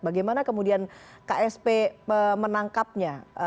bagaimana kemudian ksp menangkapnya